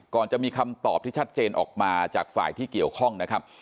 จะมีคำตอบที่ชัดเจนออกมาจากฝ่ายที่เกี่ยวข้องนะครับ